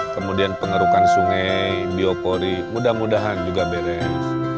kemudian pengerukan sungai biopori mudah mudahan juga beres